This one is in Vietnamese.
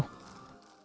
chào tạm biệt